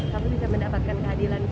kami bisa mendapatkan keadilan